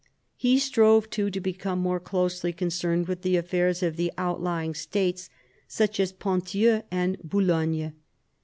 He strove too to become more closely con cerned with the affairs of the outlying states, such as Ponthieu and Boulogne.